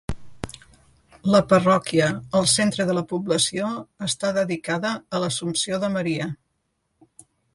La parròquia, al centre de la població, està dedicada a l'Assumpció de Maria.